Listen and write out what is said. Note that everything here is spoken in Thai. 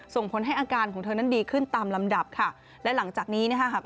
ส่งผลให้อาการของเธอนั้นดีขึ้นตามลำดับค่ะและหลังจากนี้นะคะหาก